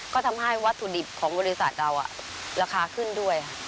ก็ทำให้วัตถุดิบของบริษัทเราราคาขึ้นด้วย